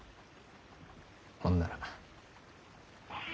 ほんなら。